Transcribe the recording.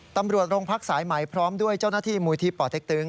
ตำรวจโรงพักสายใหม่พร้อมด้วยเจ้าหน้าที่มูลที่ป่อเต็กตึง